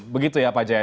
begitu ya pak j edi